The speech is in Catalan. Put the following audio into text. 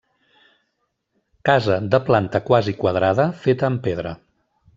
Casa de planta quasi quadrada, feta amb pedra.